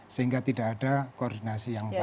sehingga tidak ada koordinasi yang baik